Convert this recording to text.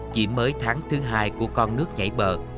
chỉ mới tháng thứ hai của con nước chảy bờ